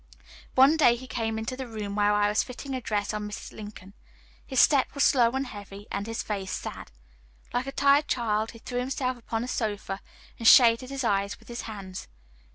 One day he came into the room where I was fitting a dress on Mrs. Lincoln. His step was slow and heavy, and his face sad. Like a tired child he threw himself upon a sofa, and shaded his eyes with his hands.